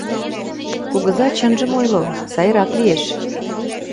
Кугыза, чынжым ойло, сайрак лиеш...